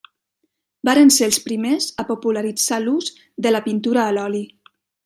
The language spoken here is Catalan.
Varen ser els primers a popularitzar l'ús de la pintura a l'oli.